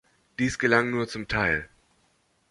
Dies gelang nur zum Teil.